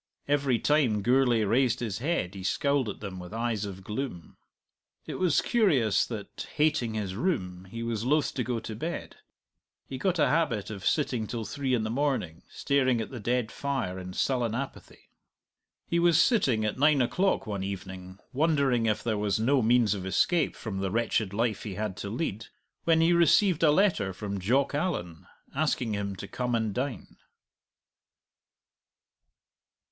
Every time Gourlay raised his head he scowled at them with eyes of gloom. It was curious that, hating his room, he was loath to go to bed. He got a habit of sitting till three in the morning, staring at the dead fire in sullen apathy. He was sitting at nine o'clock one evening, wondering if there was no means of escape from the wretched life he had to lead, when he received a letter from Jock Allan, asking him to come and dine.